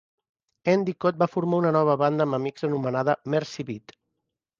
Endicott va formar una nova banda amb amics anomenada Mercy Beat.